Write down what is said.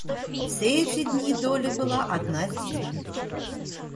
Все эти дни Долли была одна с детьми.